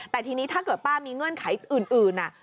แต่ทีนี้ถ้าเกิดป้ามีเงื่อนไขอื่น